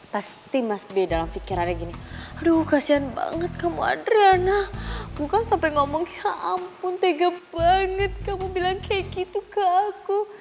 pasti mas b dalam pikirannya gini aduh kasihan banget kamu adrena bukan sampai ngomong ya ampun tege banget kamu bilang kayak gitu ke aku